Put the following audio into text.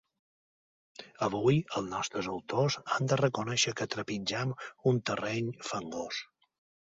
Avui els nostres autors han de reconèixer que trepitgem un terreny fangós.